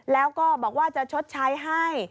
แล้วก็บอกว่าจะชดใช้ให้